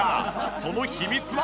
その秘密は。